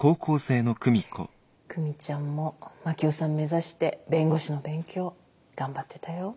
久美ちゃんも真樹夫さん目指して弁護士の勉強頑張ってたよ。